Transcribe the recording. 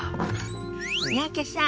三宅さん